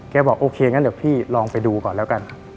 บอกโอเคงั้นเดี๋ยวพี่ลองไปดูก่อนแล้วกัน